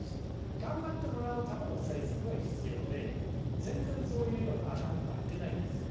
頑張ってもらうための政策が必要で全然、そういう頭になってないんですね。